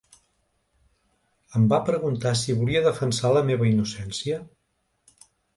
Em va preguntar si volia defensar la meva innocència?